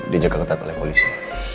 dijaga ketat oleh polisi